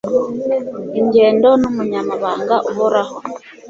ingendo n Umunyamabanga Uhoraho